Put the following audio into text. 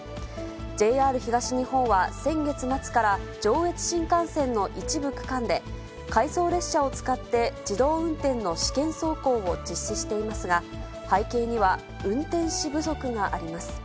ＪＲ東日本は、先月末から上越新幹線の一部区間で回送列車を使って自動運転の試験走行を実施していますが、背景には運転士不足があります。